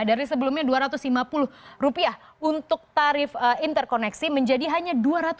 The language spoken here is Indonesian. dari sebelumnya dua ratus lima puluh rupiah untuk tarif interkoneksi menjadi hanya dua ratus empat